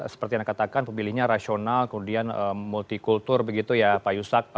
seperti yang anda katakan pemilihnya rasional kemudian multi kultur begitu ya pak yusak